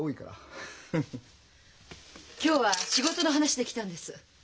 今日は仕事の話で来たんです。